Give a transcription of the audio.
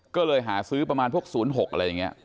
ก็เลยหาซื้อประมาณพวก๐๖อะไรอย่างนี้